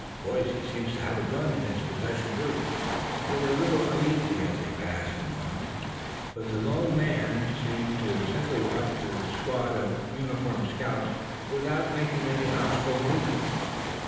Boys, he seems to have a gun in his possession, too." They were a little uneasy as they passed along; but the lone man seemed to simply watch the squad of uniformed scouts without making any hostile move.